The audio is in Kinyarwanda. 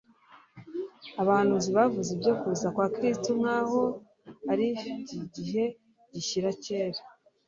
Abahanuzi bavuze ibyo kuza kwa Kristo, nkaho.arifibyligihe gishyize kera;